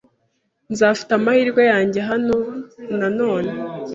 Nzafata amahirwe yanjye hano na none.